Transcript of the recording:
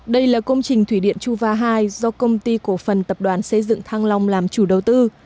đây là công trình thủy điện chuva hai do công ty cổ phần tập đoàn xây dựng thang long làm chủ đầu tư